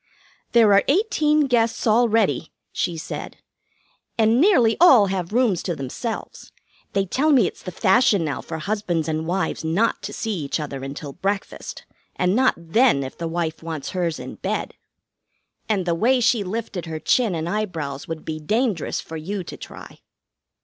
"'There are eighteen guests already,' she said, 'and nearly all have rooms to themselves. They tell me it's the fashion now for husbands and wives not to see each other until breakfast, and not then if the wife wants hers in bed.' And the way she lifted her chin and eyebrows would be dangerous for you to try.